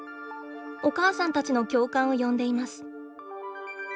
お母さんたちの共感を呼んでいます。